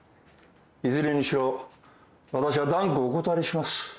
いずれにしろ私は断固お断りします。